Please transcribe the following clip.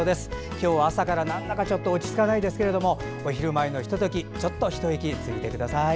今日は朝からなんだかちょっと落ち着かないですけどもお昼前のひと時ちょっと一息ついてください。